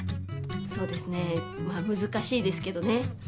そうですねまあむずかしいですけどね。